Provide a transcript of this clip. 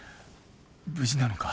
無事なのか？